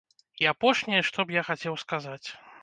І апошняе, што б я хацеў сказаць.